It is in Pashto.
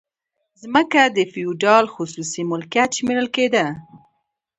ځمکه د فیوډال خصوصي ملکیت شمیرل کیده.